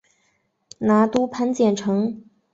拿督潘健成